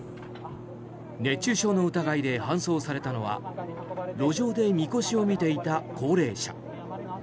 熱中症の疑いで搬送されたのは路上でみこしを見ていた高齢者。